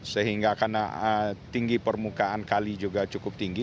sehingga karena tinggi permukaan kali juga cukup tinggi